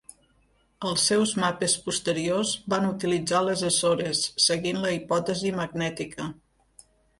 Els seus mapes posteriors van utilitzar les Açores, seguint la hipòtesi magnètica.